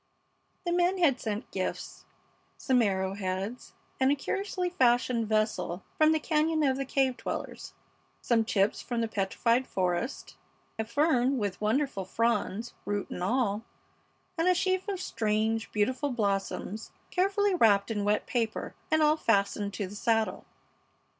The men had sent gifts: some arrow heads and a curiously fashioned vessel from the cañon of the cave dwellers; some chips from the petrified forest; a fern with wonderful fronds, root and all; and a sheaf of strange, beautiful blossoms carefully wrapped in wet paper, and all fastened to the saddle.